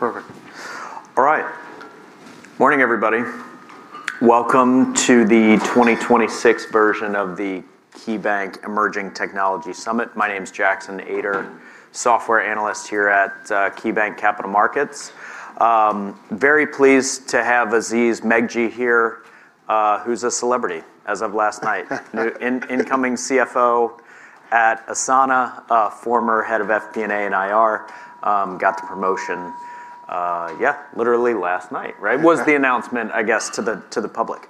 Perfect. All right. Morning, everybody. Welcome to the 2026 version of the KeyBanc Emerging Technology Summit. My name's Jackson Ader, software analyst here at KeyBanc Capital Markets Inc. Very pleased to have Jackson Ader here, who's a celebrity as of last night. New incoming CFO at Asana, former head of FP&A and IR. Got the promotion, yeah, literally last night, right? Yeah. Was the announcement, I guess, to the, to the public.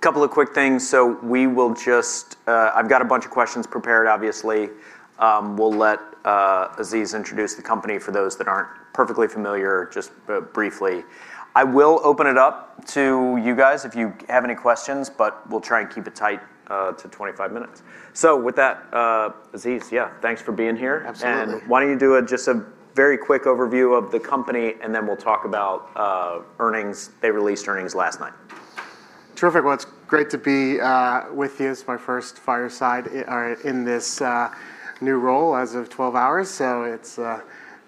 Couple of quick things. We will just. I've got a bunch of questions prepared obviously. We'll let Jackson Ader introduce the company for those that aren't perfectly familiar just briefly. I will open it up to you guys if you have any questions, but we'll try and keep it tight to 25 minutes. With that, Jackson Ader, yeah, thanks for being here. Absolutely. Why don't you do a just a very quick overview of the company, and then we'll talk about earnings. They released earnings last night. Terrific. Well, it's great to be with you. It's my first fireside or in this new role as of 12 hours, it's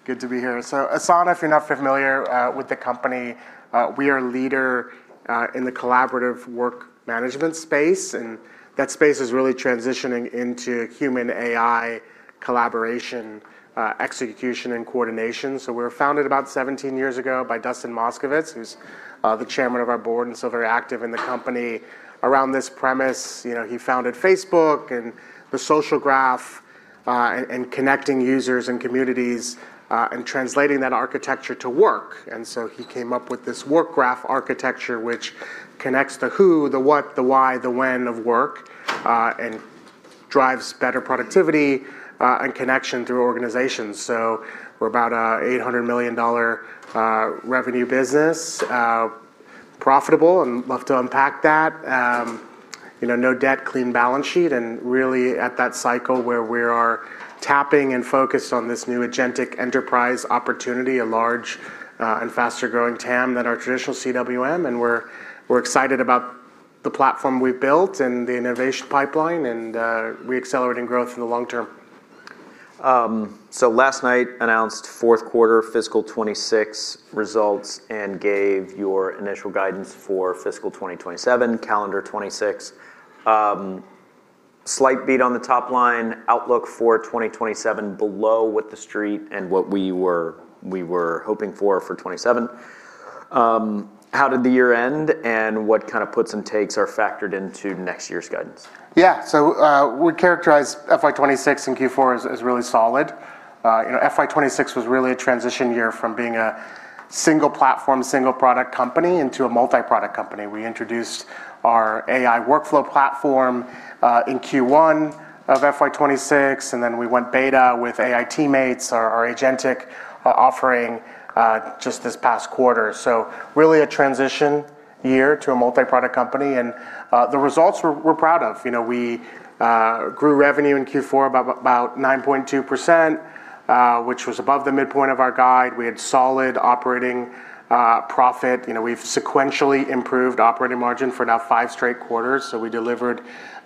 good to be here. Asana, if you're not familiar with the company, we are a leader in the collaborative work management space, and that space is really transitioning into human AI collaboration, execution and coordination. We were founded about 17 years ago by Dustin Moskovitz, who's the chairman of our board and still very active in the company around this premise. You know, he founded Facebook and the social graph, and connecting users and communities, and translating that architecture to work. He came up with this Work Graph architecture which connects the who, the what, the why, the when of work, and drives better productivity, and connection through organizations. We're about a $800 million revenue business, profitable, and love to unpack that. you know, no debt, clean balance sheet, and really at that cycle where we are tapping and focused on this new agentic enterprise opportunity, a large, and faster growing TAM than our traditional CWM. We're, we're excited about the platform we've built and the innovation pipeline and, re-accelerating growth in the long term. Last night announced fourth quarter fiscal 2026 results and gave your initial guidance for fiscal 2027, calendar 2026. Slight beat on the top line. Outlook for 2027 below what the street and what we were hoping for for 2027. How did the year end, and what kind of puts and takes are factored into next year's guidance? Yeah. We characterize FY 2026 and Q4 as really solid. You know, FY 2026 was really a transition year from being a single platform, single product company into a multi-product company. We introduced our AI workflow platform in Q1 of FY 2026, then we went beta with AI teammates, our agentic offering, just this past quarter. Really a transition year to a multi-product company, the results we're proud of. You know, we grew revenue in Q4 by about 9.2%, which was above the midpoint of our guide. We had solid operating profit. You know, we've sequentially improved operating margin for now five straight quarters. We delivered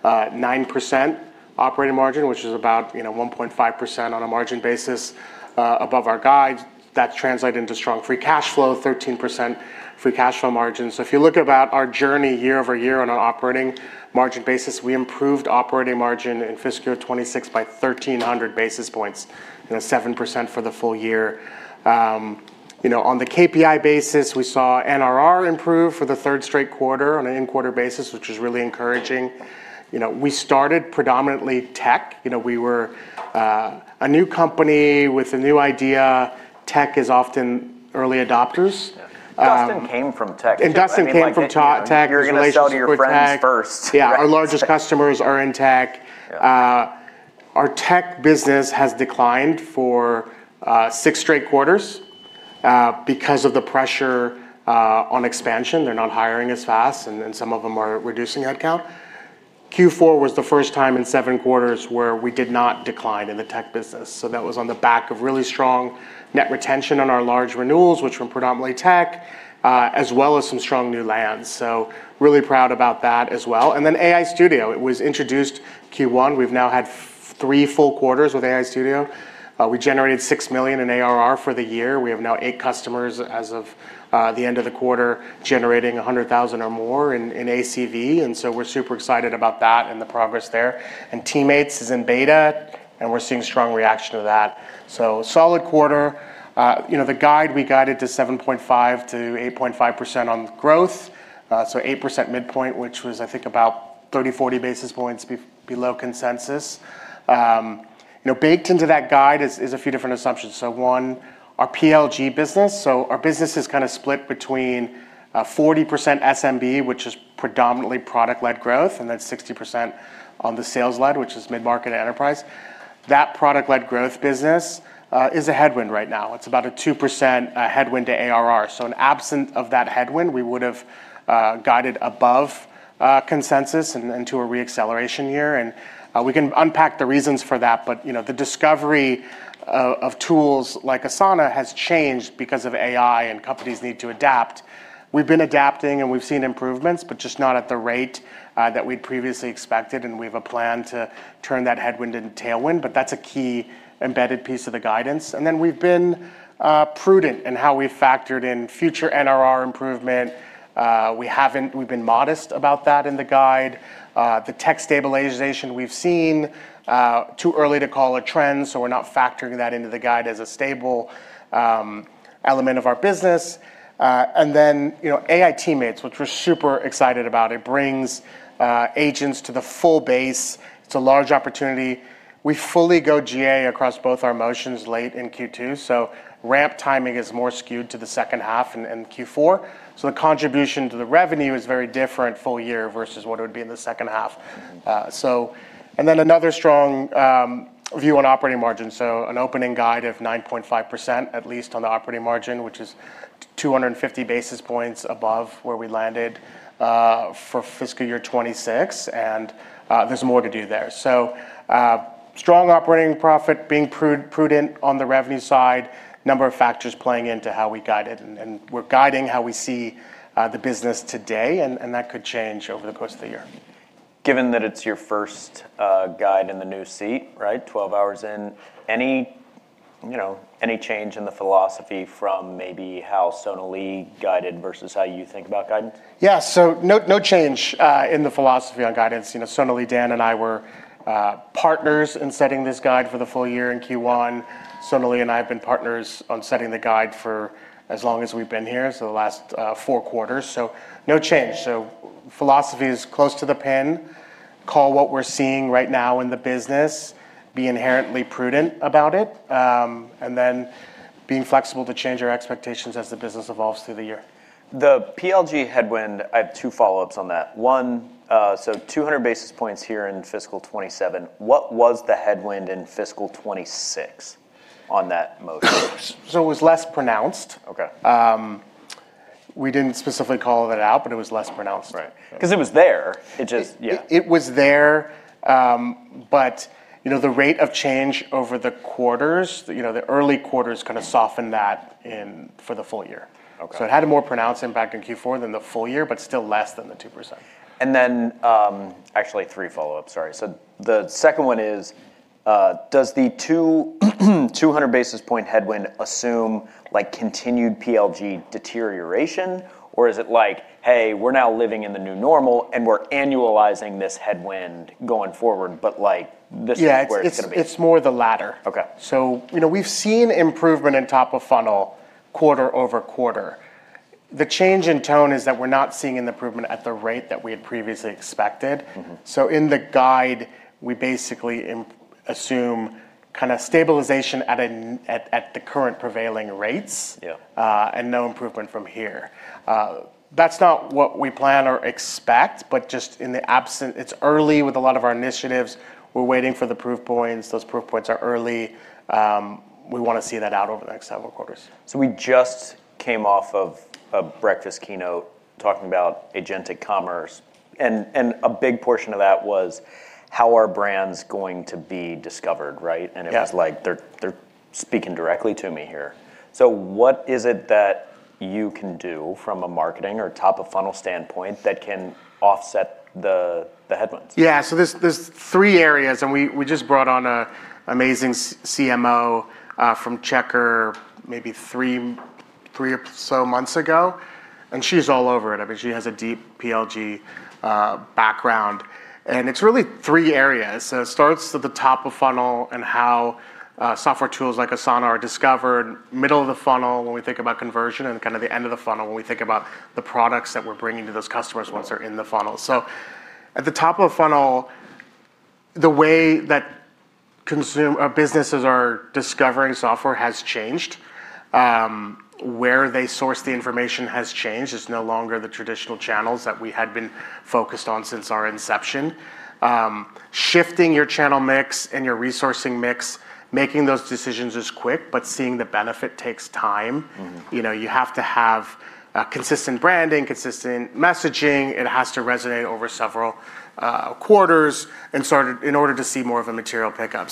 9% operating margin, which is about, you know, 1.5% on a margin basis, above our guide. That translated into strong free cash flow, 13% free cash flow margin. If you look about our journey year-over-year on our operating margin basis, we improved operating margin in fiscal 2026 by 1,300 basis points. You know, 7% for the full year. You know, on the KPI basis, we saw NRR improve for the 3rd straight quarter on an in-quarter basis, which is really encouraging. You know, we started predominantly tech. You know, we were a new company with a new idea. Tech is often early adopters. Yeah. Dustin came from tech too. Dustin came from tech. I mean, like, you know, you're gonna sell to your friends first. Yeah. Our largest customers are in tech. Yeah. Our tech business has declined for 6 straight quarters because of the pressure on expansion. They're not hiring as fast, then some of them are reducing headcount. Q4 was the first time in 7 quarters where we did not decline in the tech business. That was on the back of really strong net retention on our large renewals, which were predominantly tech, as well as some strong new lands. Really proud about that as well. Then AI Studio, it was introduced Q1. We've now had three full quarters with AI Studio. We generated $6 million in ARR for the year. We have now 8 customers as of the end of the quarter generating $100,000 or more in ACV, and so we're super excited about that and the progress there. AI teammates is in beta, and we're seeing strong reaction to that. Solid quarter. You know, the guide, we guided to 7.5%-8.5% on growth. So 8% midpoint, which was I think about 30, 40 basis points below consensus. You know, baked into that guide is a few different assumptions. One, our PLG business. Our business is kind of split between 40% SMB, which is predominantly product-led growth, and then 60% on the sales-led, which is mid-market enterprise. That product-led growth business is a headwind right now. It's about a 2% headwind to ARR. In absent of that headwind, we would've guided above consensus and to a re-acceleration year. We can unpack the reasons for that. You know, the discovery of tools like Asana has changed because of AI, and companies need to adapt. We've been adapting, and we've seen improvements, but just not at the rate that we'd previously expected, and we have a plan to turn that headwind into a tailwind, but that's a key embedded piece of the guidance. Then we've been prudent in how we factored in future NRR improvement. We've been modest about that in the guide. The tech stabilization we've seen, too early to call a trend, so we're not factoring that into the guide as a stable element of our business. Then, you know, AI teammates, which we're super excited about. It brings agents to the full base. It's a large opportunity. We fully go GA across both our motions late in Q2. Ramp timing is more skewed to the second half and Q4. The contribution to the revenue is very different full year versus what it would be in the second half. Then another strong view on operating margins, an opening guide of 9.5% at least on the operating margin, which is 250 basis points above where we landed for fiscal year 2026, and there's more to do there. Strong operating profit, being prudent on the revenue side, number of factors playing into how we guide it, and we're guiding how we see the business today, and that could change over the course of the year. Given that it's your first guide in the new seat, right? 12 hours in. Any, you know, any change in the philosophy from maybe how Sonali guided versus how you think about guidance? Yeah. No, no change, in the philosophy on guidance. You know, Sonali, Dan, and I were partners in setting this guide for the full year in Q1. Sonali and I have been partners on setting the guide for as long as we've been here, so the last four quarters, so no change. Philosophy is close to the pin, call what we're seeing right now in the business, be inherently prudent about it, and then being flexible to change our expectations as the business evolves through the year. The PLG headwind, I have two follow-ups on that. One, so 200 basis points here in fiscal 2027. What was the headwind in fiscal 2026 on that motion? It was less pronounced. Okay. We didn't specifically call that out, but it was less pronounced. Right. Cause it was there, it just... Yeah. It was there, you know, the rate of change over the quarters, you know, the early quarters kinda softened that for the full year. Okay. It had a more pronounced impact in Q4 than the full year, but still less than the 2%. Actually three follow-ups, sorry. The second one is, does the 200 basis point headwind assume, like, continued PLG deterioration? Or is it like, "Hey, we're now living in the new normal, and we're annualizing this headwind going forward," but, like, this is where it's gonna be? Yeah. It's more the latter. Okay. You know, we've seen improvement in top-of-funnel quarter-over-quarter. The change in tone is that we're not seeing an improvement at the rate that we had previously expected. In the guide, we basically assume kinda stabilization at a at the current prevailing rates. Yeah no improvement from here. That's not what we plan or expect, just in the absent. It's early with a lot of our initiatives. We're waiting for the proof points. Those proof points are early. We wanna see that out over the next several quarters. We just came off of a breakfast keynote talking about agentic commerce, and a big portion of that was how are brands going to be discovered, right? Yeah. It was like they're speaking directly to me here. What is it that you can do from a marketing or top-of-funnel standpoint that can offset the headwinds? There's three areas, and we just brought on a amazing CMO from Checkr maybe three or so months ago, and she's all over it. I mean, she has a deep PLG background. It's really three areas. It starts at the top of funnel and how software tools like Asana are discovered, middle of the funnel when we think about conversion, and kind of the end of the funnel when we think about the products that we're bringing to those customers once they're in the funnel. At the top of funnel, the way that consume businesses are discovering software has changed. Where they source the information has changed. It's no longer the traditional channels that we had been focused on since our inception. Shifting your channel mix and your resourcing mix, making those decisions is quick, but seeing the benefit takes time. You know, you have to have consistent branding, consistent messaging. It has to resonate over several quarters in order to see more of a material pickup.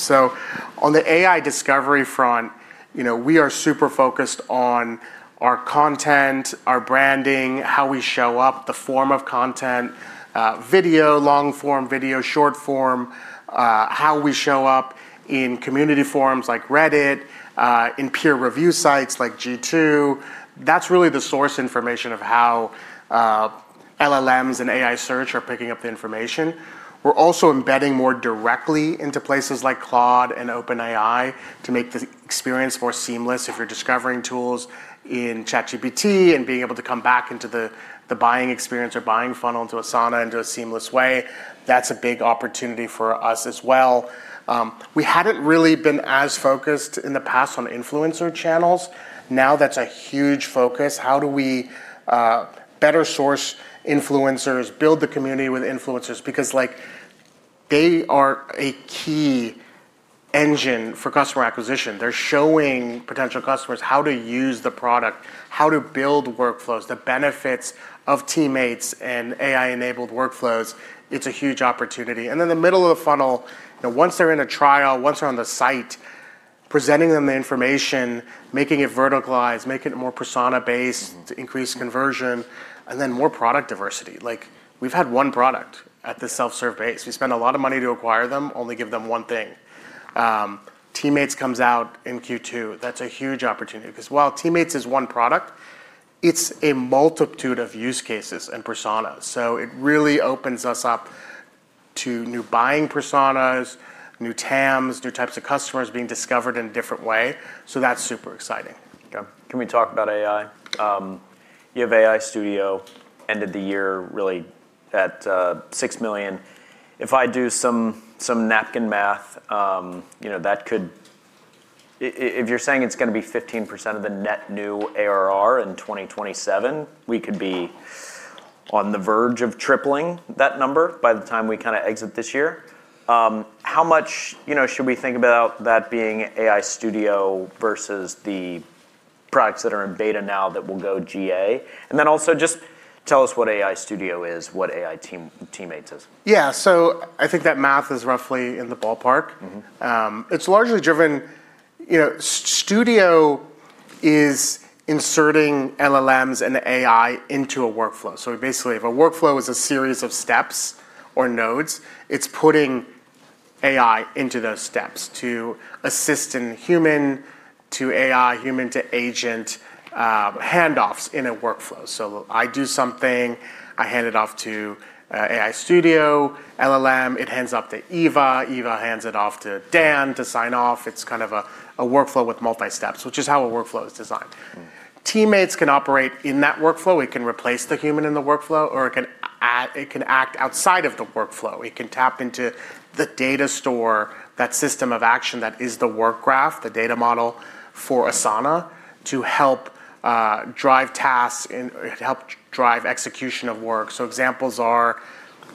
On the AI discovery front, you know, we are super focused on our content, our branding, how we show up, the form of content, video, long-form video, short-form, how we show up in community forums like Reddit, in peer review sites like G2. That's really the source information of how LLMs and AI search are picking up the information. We're also embedding more directly into places like Claude and OpenAI to make the experience more seamless. If you're discovering tools in ChatGPT and being able to come back into the buying experience or buying funnel into Asana into a seamless way, that's a big opportunity for us as well. We hadn't really been as focused in the past on influencer channels. Now that's a huge focus. How do we better source influencers, build the community with influencers? Because, like, they are a key engine for customer acquisition. They're showing potential customers how to use the product, how to build workflows, the benefits of Teammates and AI-enabled workflows. It's a huge opportunity. The middle of the funnel, you know, once they're in a trial, once they're on the site, presenting them the information, making it verticalized, making it more persona-based to increase conversion, and then more product diversity. Like, we've had 1 product at the self-serve base. We spend a lot of money to acquire them, only give them 1 thing. Teammates comes out in Q2. That's a huge opportunity 'cause while Teammates is one product, it's a multitude of use cases and personas. It really opens us up to new buying personas, new TAMs, new types of customers being discovered in a different way. That's super exciting. Okay. Can we talk about AI? You have AI Studio ended the year really at $6 million. If I do some napkin math, you know, if you're saying it's gonna be 15% of the net new ARR in 2027, we could be on the verge of tripling that number by the time we kinda exit this year. How much, you know, should we think about that being AI Studio versus the products that are in beta now that will go GA? Also just tell us what AI Studio is, what AI teammates is. Yeah. I think that math is roughly in the ballpark. You know, Studio is inserting LLMs and AI into a workflow. Basically, if a workflow is a series of steps or nodes, it's putting AI into those steps to assist in human to AI, human to agent handoffs in a workflow. I do something, I hand it off to AI Studio, LLM, it hands off to Eva hands it off to Dan to sign off. It's kind of a workflow with multi-steps, which is how a workflow is designed. Teammates can operate in that workflow. It can replace the human in the workflow, or it can act outside of the workflow. It can tap into the data store, that system of action that is the Work Graph, the data model for Asana, to help drive tasks and to help drive execution of work. Examples are,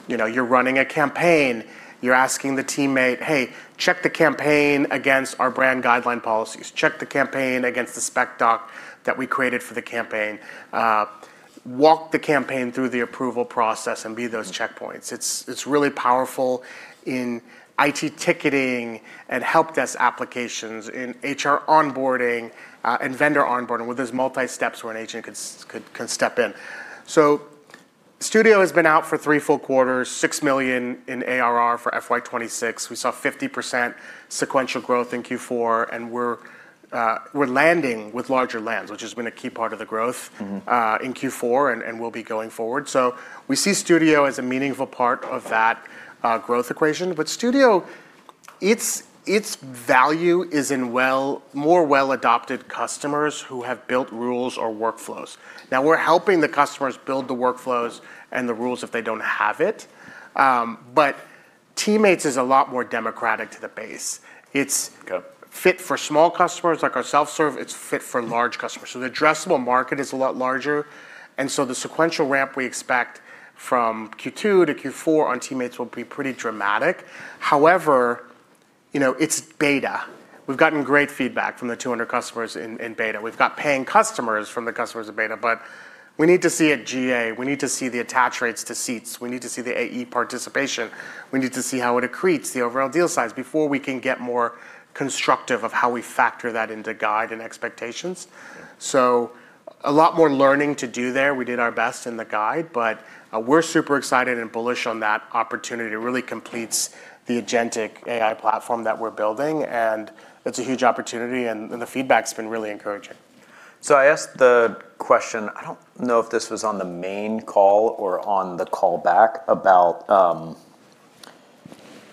you know, you're running a campaign, you're asking the teammate, "Hey, check the campaign against our brand guideline policies. Check the campaign against the spec doc that we created for the campaign. Walk the campaign through the approval process and be those checkpoints." It's really powerful in IT ticketing and help desk applications, in HR onboarding, and vendor onboarding, where there's multi-steps where an agent could step in. Studio has been out for three full quarters, $6 million in ARR for FY 2026. We saw 50% sequential growth in Q4, and we're landing with larger lands, which has been a key part of the growth. in Q4 and will be going forward. We see Studio as a meaningful part of that growth equation. Studio, its value is in well, more well-adopted customers who have built rules or workflows. Now, we're helping the customers build the workflows and the rules if they don't have it. Teammates is a lot more democratic to the base. Okay Fit for small customers, like our self-serve, it's fit for large customers. The addressable market is a lot larger. The sequential ramp we expect from Q2 to Q4 on Teammates will be pretty dramatic. However, you know, it's beta. We've gotten great feedback from the 200 customers in beta. We've got paying customers from the customers of beta, but we need to see it GA. We need to see the attach rates to seats. We need to see the AE participation. We need to see how it accretes the overall deal size before we can get more constructive of how we factor that into guide and expectations. Yeah. A lot more learning to do there. We did our best in the guide, but we're super excited and bullish on that opportunity. It really completes the agentic AI platform that we're building, and it's a huge opportunity, and the feedback's been really encouraging. I asked the question, I don't know if this was on the main call or on the call back about.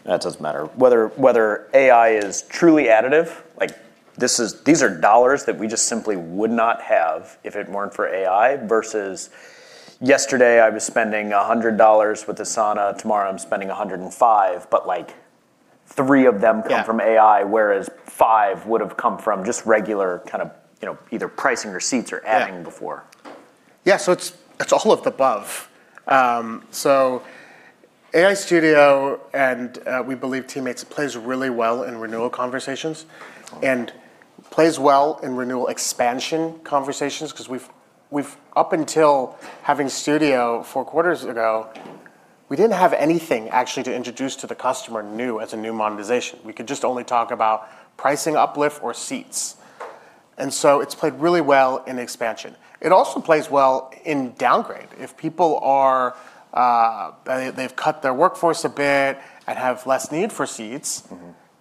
It doesn't matter. Whether AI is truly additive, like these are dollars that we just simply would not have if it weren't for AI, versus yesterday I was spending $100 with Asana, tomorrow I'm spending $105, but like 3 of them come from AI, whereas five would have come from just regular kind of, you know, either pricing or seats or adding before. It's, it's all of the above. AI Studio and we believe Teammates plays really well in renewal conversations. Okay And plays well in renewal expansion conversations 'cause we've up until having Studio four quarters ago, we didn't have anything actually to introduce to the customer new as a new monetization. We could just only talk about pricing uplift or seats. It's played really well in expansion. It also plays well in downgrade. If people are, they've cut their workforce a bit and have less need for seats.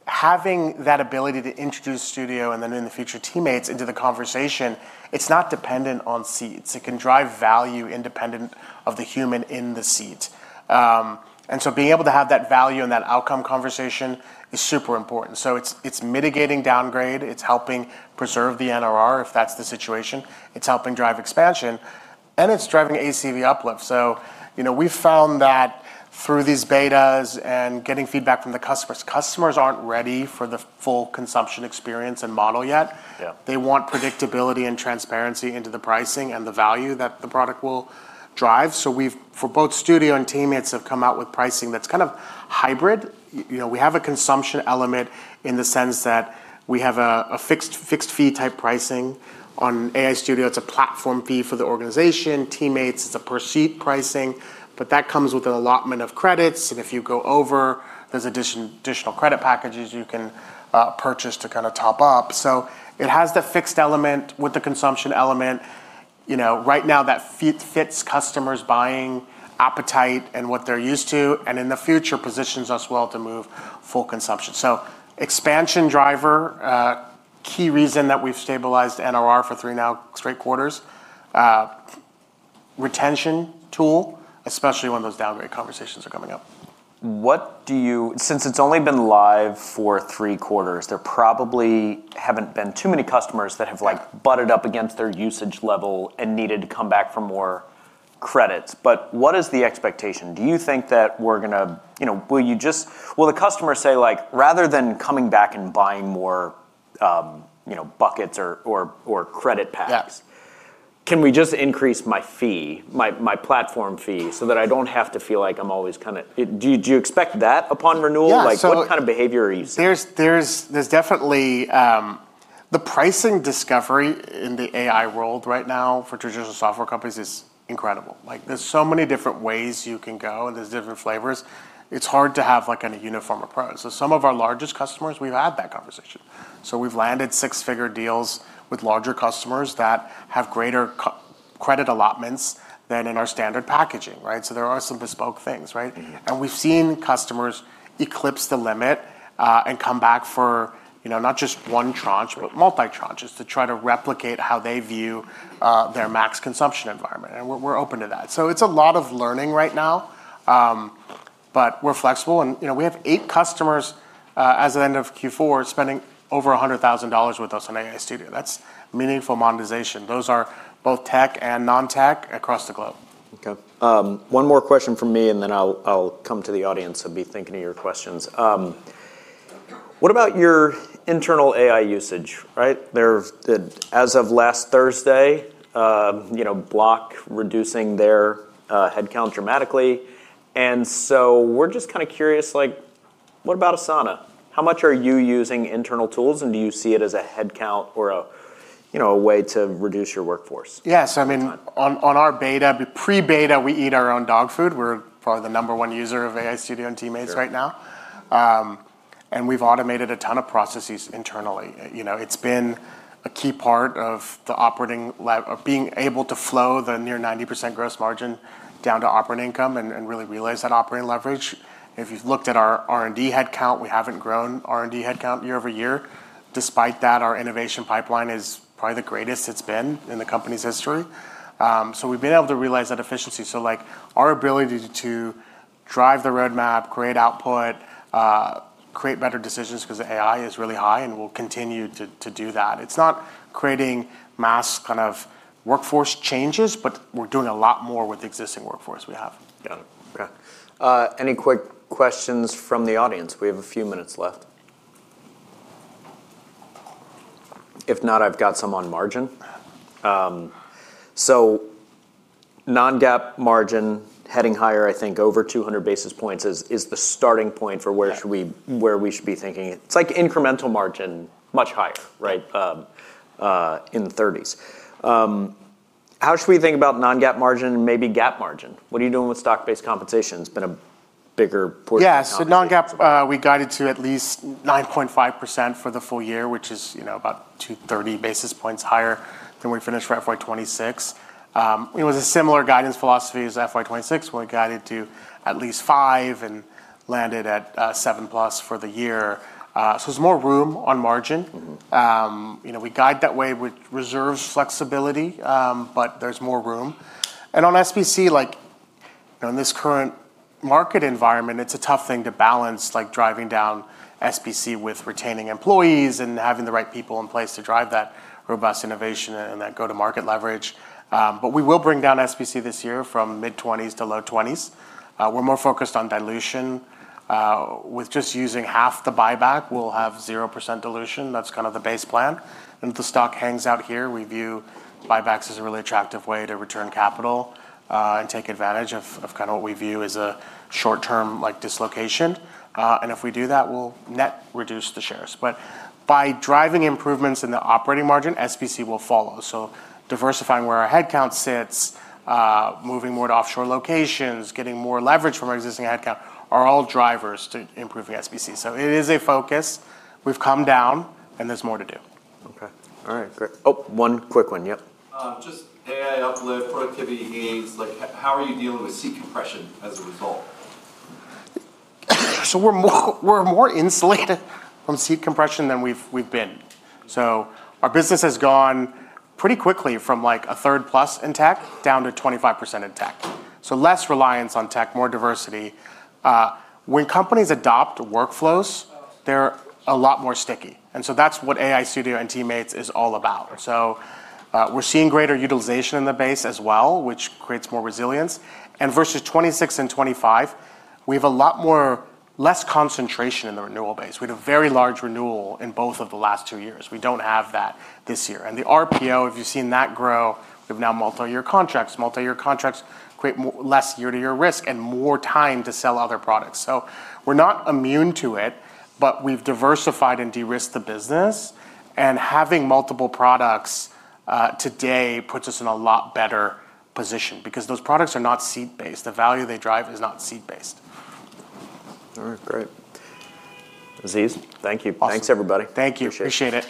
Having that ability to introduce Studio, and then in the future, Teammates into the conversation, it's not dependent on seats. It can drive value independent of the human in the seat. Being able to have that value and that outcome conversation is super important. It's mitigating downgrade, it's helping preserve the NRR, if that's the situation. It's helping drive expansion. And it's driving ACV uplift. You know, we found that through these betas and getting feedback from the customers aren't ready for the full consumption experience and model yet. Yeah. They want predictability and transparency into the pricing and the value that the product will drive. We've, for both Studio and Teammates have come out with pricing that's kind of hybrid. You know, we have a consumption element in the sense that we have a fixed fee type pricing. On AI Studio, it's a platform fee for the organization. Teammates, it's a per seat pricing, but that comes with an allotment of credits, and if you go over, there's additional credit packages you can purchase to kind of top up. It has the fixed element with the consumption element. You know, right now that fee fits customers' buying appetite and what they're used to, and in the future, positions us well to move full consumption. Expansion driver, key reason that we've stabilized NRR for three now straight quarters. Retention tool, especially when those downgrade conversations are coming up. Since it's only been live for three quarters, there probably haven't been too many customers that have. Right butted up against their usage level and needed to come back for more credits. What is the expectation? Will the customer say, like, "Rather than coming back and buying more, you know, buckets or credit packs- Yeah Can we just increase my fee, my platform fee so that I don't have to feel like I'm always kinda..." Do you expect that upon renewal? Yeah. Like, what kind of behavior are you seeing? There's definitely the pricing discovery in the AI world right now for traditional software companies is incredible. Like, there's so many different ways you can go, and there's different flavors. It's hard to have, like, a uniform approach. Some of our largest customers, we've had that conversation. We've landed six-figure deals with larger customers that have greater credit allotments than in our standard packaging, right? There are some bespoke things, right? We've seen customers eclipse the limit, and come back for, you know, not just 1 tranche but multi tranches to try to replicate how they view their max consumption environment, and we're open to that. It's a lot of learning right now, but we're flexible and, you know, we have 8 customers as of end of Q4 spending over $100,000 with us on AI Studio. That's meaningful monetization. Those are both tech and non-tech across the globe. Okay. One more question from me, and then I'll come to the audience, so be thinking of your questions. What about your internal AI usage, right? The, as of last Thursday, you know, Block reducing their headcount dramatically. We're just kinda curious, like, what about Asana? How much are you using internal tools, and do you see it as a headcount or a, you know, a way to reduce your workforce? Yes. I mean- Full time.... on our beta, pre-beta, we eat our own dog food. We're probably the number 1 user of AI Studio and AI teammates right now. We've automated a ton of processes internally. You know, it's been a key part of the operating lev- of being able to flow the near 90% gross margin down to operating income and really realize that operating leverage. If you've looked at our R&D headcount, we haven't grown R&D headcount year-over-year. Despite that, our innovation pipeline is probably the greatest it's been in the company's history. We've been able to realize that efficiency. Like, our ability to drive the roadmap, create output, create better decisions 'cause of AI is really high, and we'll continue to do that. It's not creating mass kind of workforce changes, but we're doing a lot more with the existing workforce we have. Got it. Yeah. Any quick questions from the audience? We have a few minutes left. If not, I've got some on margin. Non-GAAP margin heading higher, I think, over 200 basis points is the starting point for where should we. Yeah Where we should be thinking. It's like incremental margin, much higher, right? In the 30s. How should we think about non-GAAP margin and maybe GAAP margin? What are you doing with stock-based compensation? It's been a bigger portion of compensation. Yeah. non-GAAP, we guided to at least 9.5% for the full year, which is, you know, about 230 basis points higher than we finished for FY 2026. It was a similar guidance philosophy as FY 2026, where we guided to at least 5 and landed at 7+ for the year. there's more room on margin. You know, we guide that way with reserves flexibility, but there's more room. On SBC, like, in this current market environment, it's a tough thing to balance, like, driving down SBC with retaining employees and having the right people in place to drive that robust innovation and that go-to-market leverage. But we will bring down SBC this year from mid-20s to low 20s. We're more focused on dilution. With just using half the buyback, we'll have 0% dilution. That's kind of the base plan. If the stock hangs out here, we view buybacks as a really attractive way to return capital, and take advantage of kind of what we view as a short-term, like, dislocation. If we do that, we'll net reduce the shares. By driving improvements in the operating margin, SBC will follow. Diversifying where our headcount sits, moving more to offshore locations, getting more leverage from our existing headcount are all drivers to improving SBC. It is a focus. We've come down, and there's more to do. Okay. All right, great. Oh, one quick one. Yep. Just AI upload, productivity gains, like, how are you dealing with seat compression as a result? We're more insulated from seat compression than we've been. Our business has gone pretty quickly from, like, a third plus in tech down to 25% in tech. Less reliance on tech, more diversity. When companies adopt workflows they're a lot more sticky, that's what AI Studio and Teammates is all about. We're seeing greater utilization in the base as well, which creates more resilience. Versus 2026 and 2025, we have less concentration in the renewal base. We had a very large renewal in both of the last two years. We don't have that this year. The RPO, if you've seen that grow, we have now multi-year contracts. Multi-year contracts create less year-to-year risk and more time to sell other products. We're not immune to it, but we've diversified and de-risked the business, and having multiple products today puts us in a lot better position because those products are not seat-based. The value they drive is not seat-based. All right, great. Aziz, thank you. Awesome. Thanks, everybody. Thank you. Appreciate it.